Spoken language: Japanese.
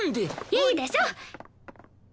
いいでしょ！